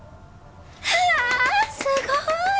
わあすごい！